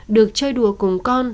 được chơi đùa cùng con